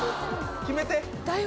決めて！